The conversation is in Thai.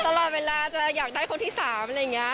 ตลอดเวลาจะอยากได้คนที่๓อะไรอย่างนี้